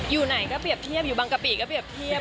อยู่ไหนก็เปรียบเทียบอยู่บางกะปิก็เรียบเทียบ